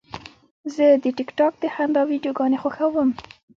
زه د ټک ټاک د خندا ویډیوګانې خوښوم.